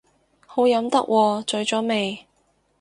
好飲得喎，醉咗未